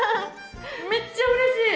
めっちゃうれしい。